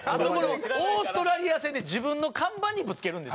オーストラリア戦で自分の看板にぶつけるんですよ。